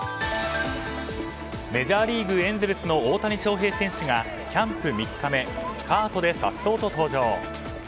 メジャーリーグエンゼルスの大谷翔平選手がキャンプ３日目カートでさっそうと登場。